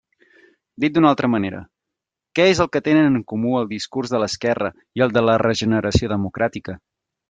Dit d'una altra manera: ¿què és el que tenen en comú el discurs de l'esquerra i el de la regeneració democràtica?